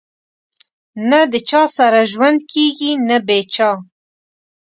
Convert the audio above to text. نه د چا سره ژوند کېږي نه بې چا